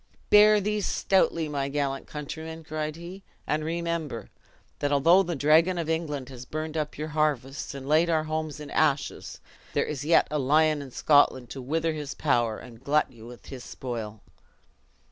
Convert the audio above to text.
"Bear these stoutly my gallant countrymen," cried he, "and remember, that although the dragon of England has burned up your harvests, and laid our homes in ashes, there is yet a lion in Scotland to wither his power, and glut you with his spoil!"